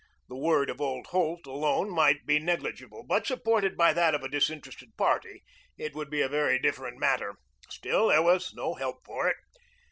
The word of old Holt alone might be negligible, but supported by that of a disinterested party it would be a very different matter. Still, there was no help for it.